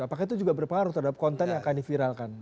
apakah itu juga berpengaruh terhadap konten yang akan diviralkan